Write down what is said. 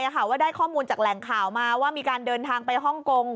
ว่าได้ข้อมูลจากแหล่งข่าวมาว่ามีการเดินทางไปฮ่องกง